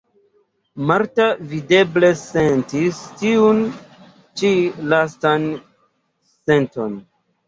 Marta videble sentis tiun ĉi lastan senton.